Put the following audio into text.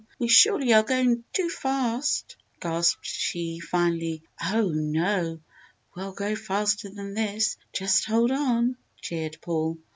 we surely are going too fast!" gasped she, finally. "Oh, no! We'll go faster than this just hold on!" cheered Paul.